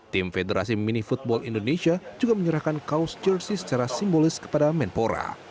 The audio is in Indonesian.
tim federasi mini football indonesia juga menyerahkan kaos jersey secara simbolis kepada menpora